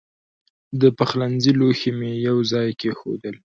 د پخلنځي لوښي مې یو ځای کېښودل.